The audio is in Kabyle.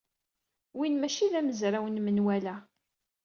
Win maci d amezraw n menwala.